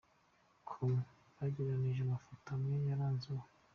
com yabegeranyirije amafoto amwe yaranze uwo.